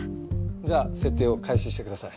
じゃあ設定を開始してください。